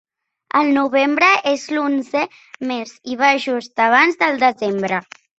El novembre és l'onzè mes i va just abans del desembre.